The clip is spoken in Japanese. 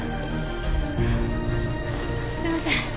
すいません